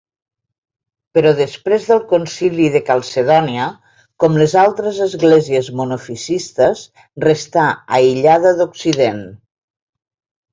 Però després del Concili de Calcedònia, com les altres esglésies monofisites, restà aïllada d'Occident.